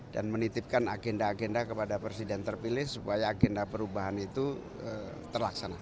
dan menitipkan agenda agenda kepada presiden terpilih supaya agenda perubahan itu terlaksana